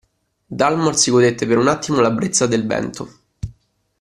Dalmor si godette per un attimo la brezza del vento.